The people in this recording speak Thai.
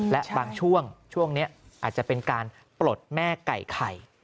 และบางช่วงช่วงนี้อาจจะเป็นการปลดแม่ไก่ไข่